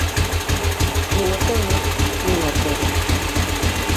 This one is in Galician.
Nin o teño nin o quero.